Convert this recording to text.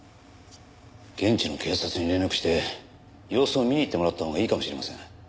現地の警察に連絡して様子を見に行ってもらったほうがいいかもしれません。